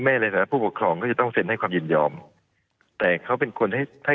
ในฐานะผู้ปกครองก็จะต้องเซ็นให้ความยินยอมแต่เขาเป็นคนให้ถ้า